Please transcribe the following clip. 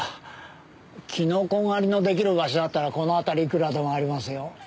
キノコ狩りの出来る場所だったらこの辺りいくらでもありますよ。